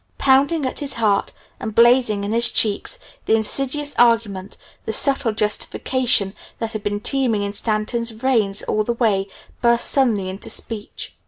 Pounding at his heart, and blazing in his cheeks, the insidious argument, the subtle justification, that had been teeming in Stanton's veins all the week, burst suddenly into speech.